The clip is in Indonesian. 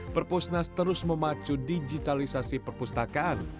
perpusnas terus memacu digitalisasi perpustakaan